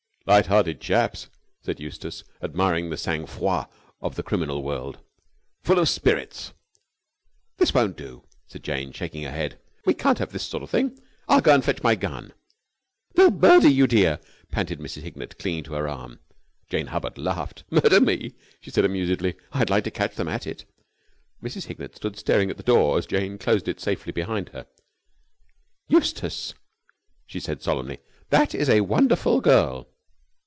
"Light hearted chaps!" said Eustace, admiring the sang froid of the criminal world. "Full of spirits!" "This won't do," said Jane Hubbard, shaking her head. "We can't have this sort of thing. I'll go and fetch my gun." "They'll murder you, dear!" panted Mrs. Hignett, clinging to her arm. Jane Hubbard laughed. "Murder me!" she said, amusedly. "I'd like to catch them at it!" Mrs. Hignett stood staring at the door as Jane closed it safely behind her. "Eustace," she said, solemnly, "that is a wonderful girl!"